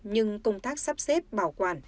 nhưng công tác sắp xếp bảo quản